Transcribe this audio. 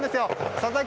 佐々木